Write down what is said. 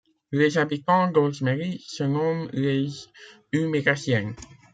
Les habitants d'Osmery se nomment les Ulméraciens.